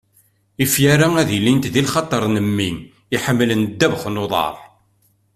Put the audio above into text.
ifyar-a ad ilint di lxaṭer n mmi iḥemmlen ddabex n uḍar.